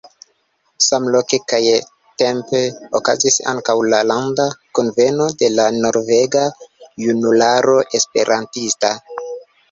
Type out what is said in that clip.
Samloke kaj -tempe okazis ankaŭ la Landa Kunveno de la Norvega Junularo Esperantista.